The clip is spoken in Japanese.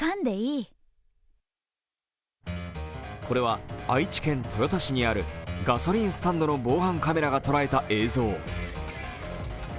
これは、愛知県豊田市にあるガソリンスタンドの防犯カメラが捉えた映像。